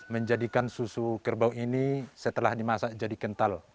menjadikan susu kerbau ini setelah dimasak jadi kental